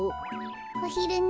おひるね。